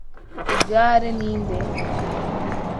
Igare ni nde?